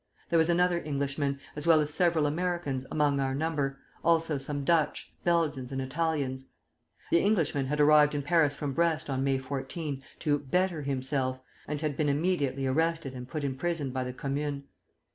There was another Englishman, as well as several Americans, among our number, also some Dutch, Belgians, and Italians. The Englishman had arrived in Paris from Brest on May 14 to 'better himself,' and had been immediately arrested and put in prison by the Commune.